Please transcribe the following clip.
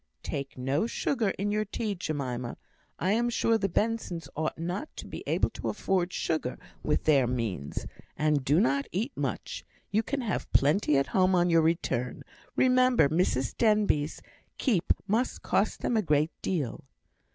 "Take no sugar in your tea, Jemima. I am sure the Bensons ought not to be able to afford sugar, with their means. And do not eat much; you can have plenty at home on your return; remember Mrs Denbigh's keep must cost them a great deal."